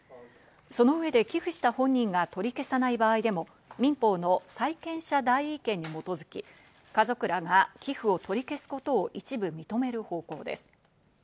その上で寄付した本人が取り消さない場合でも民法の債権者代位権に基づき、家族らが寄付を取り消すことを一部認める方向です。